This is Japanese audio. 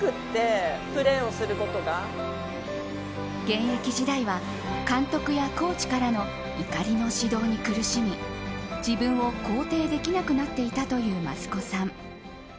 現役時代は監督やコーチからの怒りの指導に苦しみ自分を肯定できなくなっていったという益子さん。